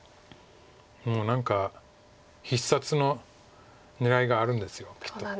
何か必殺の狙いがあるんですきっと。